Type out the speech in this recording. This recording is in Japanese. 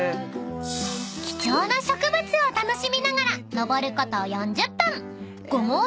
［貴重な植物を楽しみながら登ること］